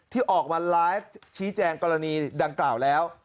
ที่ออกมาไลฟ์ชี้แจงกรณีดังกล่าวแล้ว